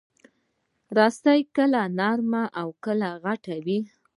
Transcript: رسۍ کله نرۍ او کله غټه وي.